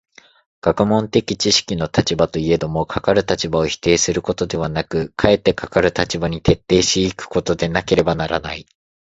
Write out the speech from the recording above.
学問的知識の立場といえども、かかる立場を否定することではなく、かえってかかる立場に徹底し行くことでなければならない。